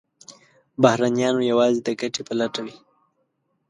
بهرنیان یوازې د ګټې په لټه وي.